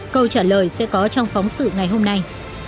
câu trả lời sẽ có trong phóng sự ngày hôm nay